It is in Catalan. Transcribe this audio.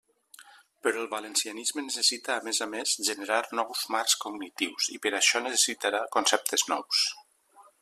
Però el valencianisme necessita a més a més generar nous marcs cognitius, i per això necessitarà conceptes nous.